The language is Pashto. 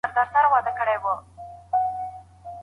ولي د بریا لپاره سخته لوږه تر طبیعي پوهي مهمه ده؟